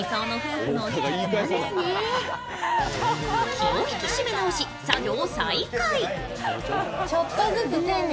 気を引き締め直し、作業再開。